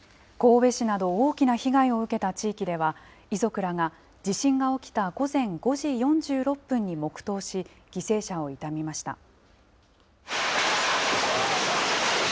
神戸市など大きな被害を受けた地域では、遺族らが、地震が起きた午前５時４６分に黙とうし、犠牲者を悼みました。